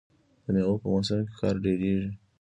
د میوو په موسم کې کار ډیریږي.